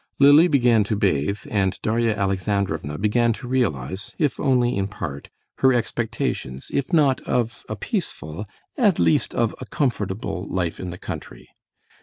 Lily began to bathe, and Darya Alexandrovna began to realize, if only in part, her expectations, if not of a peaceful, at least of a comfortable, life in the country.